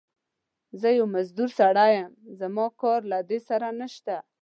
زه يو مزدور سړی يم، زما کار له دې سره نشته.